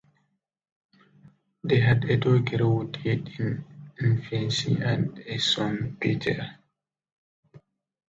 They had a daughter who died in infancy, and a son, Peter.